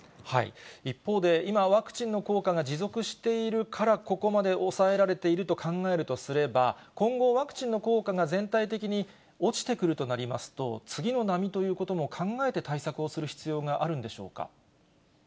一方で、今、ワクチンの効果が持続しているから、ここまで抑えられていると考えるとすれば、今後、ワクチンの効果が全体的に落ちてくるとなりますと、次の波ということも考えて対策をする必要があるんでしょうか。